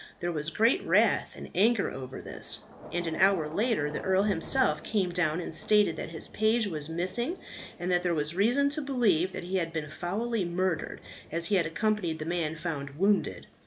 There was great wrath and anger over this; and an hour later the earl himself came down and stated that his page was missing, and that there was reason to believe that he had been foully murdered, as he had accompanied the man found wounded.